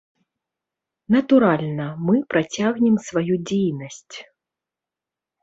Натуральна, мы працягнем сваю дзейнасць.